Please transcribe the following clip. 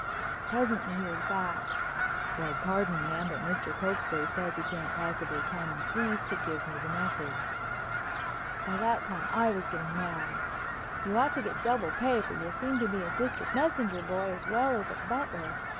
Presently he was back. "Beg pardon, ma'am, but Mr. Cokesbury says he can't possibly come and please to give me the message." By that time I was getting mad. "You ought to get double pay, for you seem to be a District Messenger boy as well as a butler.